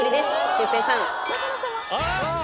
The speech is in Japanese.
シュウペイさん。